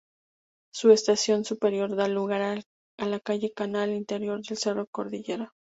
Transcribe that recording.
Su estación superior da lugar a la calle Canal, al interior del Cerro Cordillera.